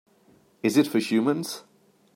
Is it for humans?